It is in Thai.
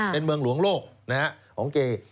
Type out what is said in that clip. เป็นเมืองหลวงโลกของเกย์